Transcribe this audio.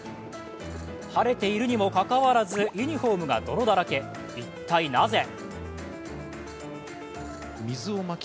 晴れているにもかかわらずユニフォームが泥だらけ一体、なぜ？